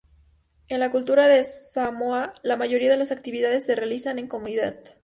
En la cultura de Samoa, la mayoría de las actividades se realizan en comunidad.